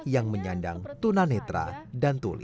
yang menyandang tunanetra dan tuli